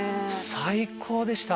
最高でした